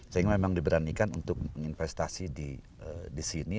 sehingga memang diberanikan untuk investasi di sini